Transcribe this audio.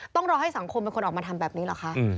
ต้องรอให้สังคมเป็นคนออกมาทำแบบนี้เหรอคะ